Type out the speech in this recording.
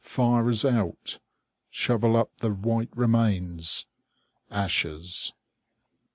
Fire is out. Shovel up the white remains. ASHES!